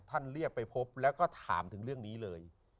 ท่านเรียกไปพบแล้วก็ถามถึงเรื่องนี้เลย